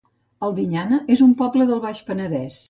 Albinyana es un poble del Baix Penedès